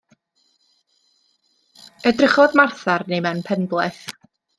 Edrychodd Martha arni mewn penbleth.